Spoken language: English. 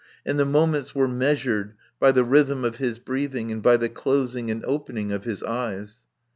And the moments were measured by the rhythm of his breathing, and by the closing and opening of his eyes.